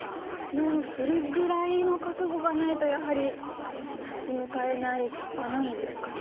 でもそれぐらいの覚悟がないとやはり立ち向かえない場なんですかね。